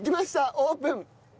オープン。